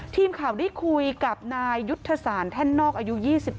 ทีมข่าวได้คุยกับนายยุทธศาสตร์แท่นนอกอายุ๒๓